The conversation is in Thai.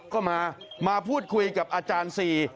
ก็มามาพูดคุยกับอาจารย์ซี